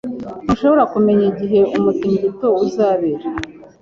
Ntushobora kumenya igihe umutingito uzabera.